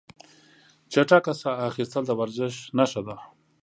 چټک ساه اخیستل د ورزش نښه ده.